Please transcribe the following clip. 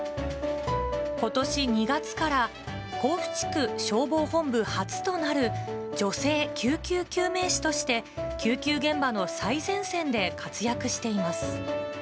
ことし２月から甲府地区消防本部初となる、女性救急救命士として、救急現場の最前線で活躍しています。